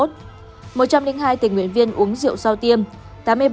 một trăm linh hai tình nguyện viên uống rượu sau tiêm